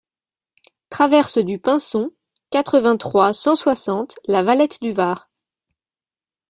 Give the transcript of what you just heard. Traverse du Pinson, quatre-vingt-trois, cent soixante La Valette-du-Var